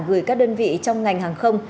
gửi các đơn vị trong ngành hàng không